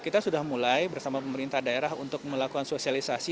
kita sudah mulai bersama pemerintah daerah untuk melakukan sosialisasi